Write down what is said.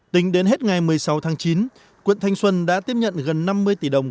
tính đến hết ngày một mươi sáu tháng chín quận thanh xuân đã tiếp nhận gần năm mươi tỷ đồng